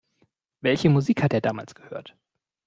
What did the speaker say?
Welche Musik hat er damals gehört?